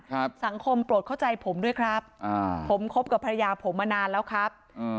สังคมโปรดเข้าใจผมด้วยครับอ่าผมคบกับภรรยาผมมานานแล้วครับอืม